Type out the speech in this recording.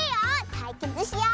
たいけつしよう！